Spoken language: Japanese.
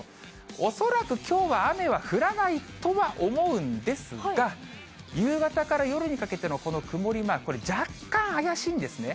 恐らくきょうは雨は降らないとは思うんですが、夕方から夜にかけてのこの曇りマーク、これ若干怪しいんですね。